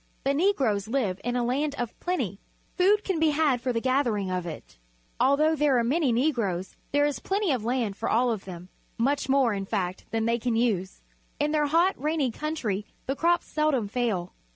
The Negroes live in a land of plenty. Food can be had for the gathering of it. Although there are many Negroes, there is plenty of land for all of them, much more, in fact, than they can u.se. In their hot, rainy country the crops seldom fail.